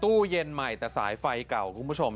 ตู้เย็นใหม่แต่สายไฟเก่าคุณผู้ชม